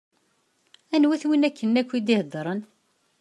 Anwa-t win akken i ak-d-iheddṛen?